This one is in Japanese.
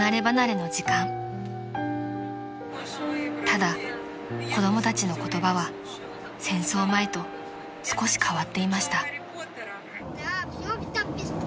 ［ただ子供たちの言葉は戦争前と少し変わっていました］